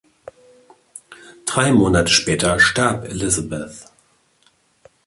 Drei Monate später starb Elizabeth.